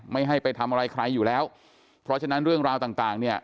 ไม่ให้ไปทำอะไรใครอยู่แล้วเพราะฉะนั้นเรื่องราวต่างต่างเนี่ย